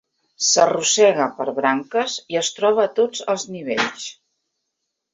S'arrossega per branques i es troba a tots els nivells.